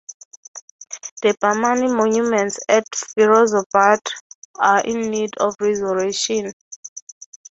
The Bahmani monuments at Firozabad are in need of restoration.